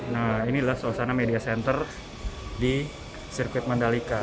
nah inilah suasana media center di sirkuit mandalika